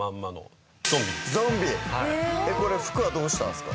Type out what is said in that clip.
これ服はどうしたんですか？